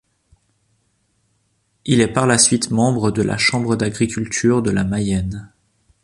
Il est par la suite membre de la Chambre d'Agriculture de la Mayenne.